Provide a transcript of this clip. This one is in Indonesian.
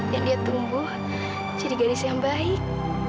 dan dia tumbuh jadi gadis yang baik